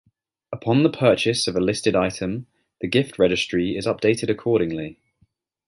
Upon the purchase of a listed item, the gift registry is updated accordingly.